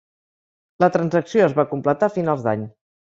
La transacció es va completar a finals d'any.